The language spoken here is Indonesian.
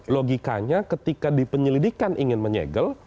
logikanya ketika di penyelidikan ingin menyegel